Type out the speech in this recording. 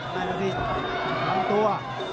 ล้างตัว